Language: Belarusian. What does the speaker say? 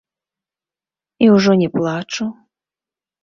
І ўжо не плачу.